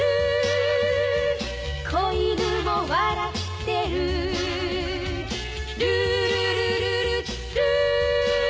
「小犬も笑ってる」「ルールルルルルー」